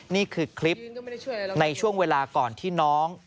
นี่คือคลิปในช่วงเวลาก่อนที่น้อง